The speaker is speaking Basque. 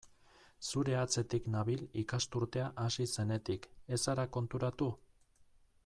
Zure atzetik nabil ikasturtea hasi zenetik, ez zara konturatu?